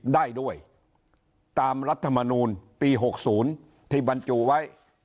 ได้ด้วยตามรัฐมนูลปี๖๐ที่บรรจุไว้